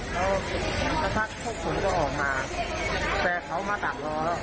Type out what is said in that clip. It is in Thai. ครับแล้วถ้าพวกผมก็ออกมาแต่เขามาตัดรอแล้ว